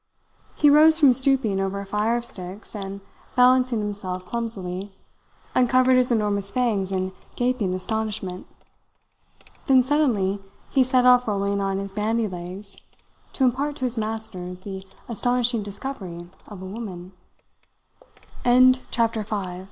He rose from stooping over a fire of sticks, and, balancing himself clumsily, uncovered his enormous fangs in gaping astonishment. Then suddenly he set off rolling on his bandy legs to impart to his masters the astonishing discovery of a woman. CHAPTER SIX As luck